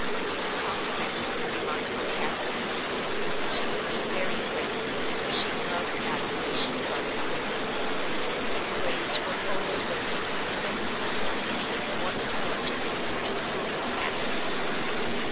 If you complimented the remarkable cat on her beauty, she would be very friendly, for she loved admiration above everything. The pink brains were always working and their owner was indeed more intelligent than most common cats.